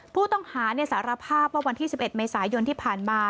ผู้ต้องหาสารภาพว่าวันที่๑๑เมษายนที่ผ่านมา